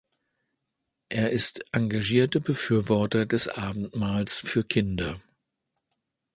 Er ist engagierter Befürworter des Abendmahls für Kinder.